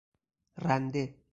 رنده